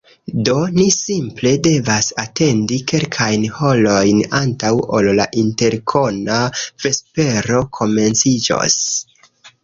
Do, ni simple devas atendi kelkajn horojn antaŭ ol la interkona vespero komenciĝos